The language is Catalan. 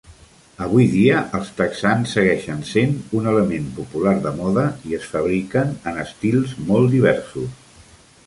Avui dia, els texans segueixen sent un element popular de moda i es fabriquen en estils molt diversos.